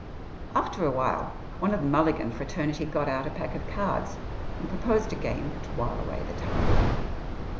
After a while one of the Mulligan fraternity got out a pack of cards and proposed a game to while away the time.